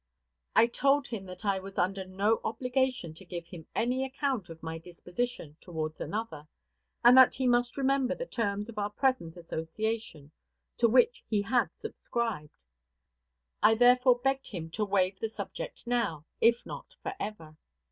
I told him that I was under no obligation to give him any account of my disposition towards another, and that he must remember the terms of our present association to which he had subscribed. I therefore begged him to waive the subject now, if not forever.